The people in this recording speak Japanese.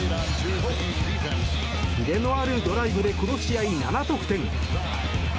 キレのあるドライブでこの試合７得点。